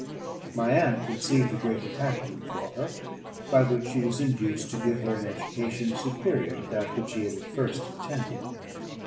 My aunt conceived a great attachment for her, by which she was induced to give her an education superior to that which she had at first intended.